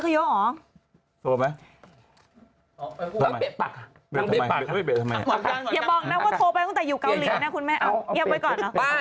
โทรหาพี่